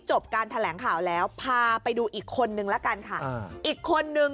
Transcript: จบการแถลงข่าวแล้วพาไปดูอีกคนนึงละกันค่ะอีกคนนึง